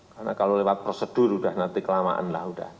karena kalau lewat prosedur udah nanti kelamaan lah